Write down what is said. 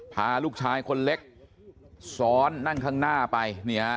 พาลูกชายคนเล็กซ้อนนั่งข้างหน้าไป